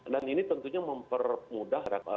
dan ini tentunya mempermudah